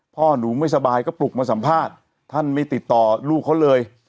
พ่อหนูไม่สบายก็ปลุกมาสัมภาษณ์ท่านไม่ติดต่อลูกเขาเลย